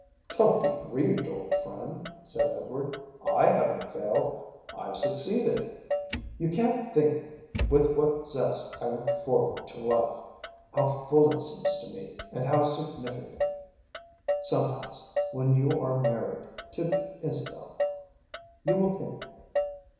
"Don't be grieved, old friend," said Edward. "I haven't failed. I've succeeded. You can't think with what zest I look forward to life, how full it seems to me and how significant. Sometimes, when you are married to Isabel, you will think of me.